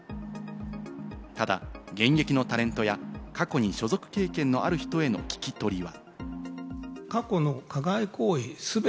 ただ、現役のタレントや過去に所属経験のある人への聞き取りは。